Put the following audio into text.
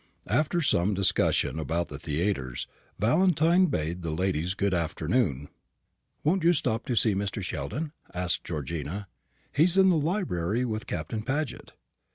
After some further discussion about the theatres, Valentine bade the ladies good afternoon. "Won't you stop to see Mr. Sheldon?" asked Georgina; "he's in the library with Captain Paget.